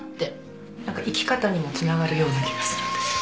なんか生き方にも繋がるような気がするんですよ。